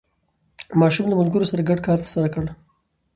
ماشوم له ملګرو سره ګډ کار ترسره کړ